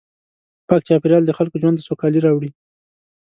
پاک چاپېریال د خلکو ژوند ته سوکالي راوړي.